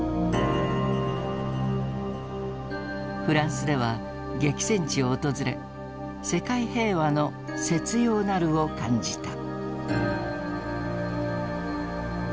フランスでは激戦地を訪れ「世界平和の切要なる」を感じた。